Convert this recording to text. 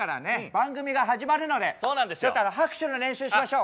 番組が始まるのでちょっと拍手の練習しましょう。